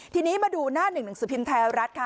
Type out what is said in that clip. ทีนี้มาดูหน้า๑๑สุพิมพ์แท้รัฐค่ะ